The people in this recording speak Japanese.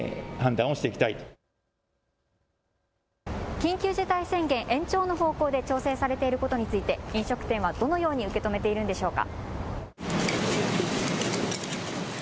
緊急事態宣言、延長の方向で調整されていることについて飲食店はどのように受け止めているんでしょうか。